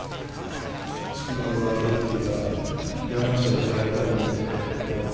宿命の相手っていうかやらなくちゃいけない相手だと思っていたので。